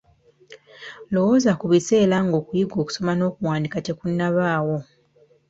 Lowooza ku biseera ng’okuyiga okusoma n’okuwandiika tekunnabaawo!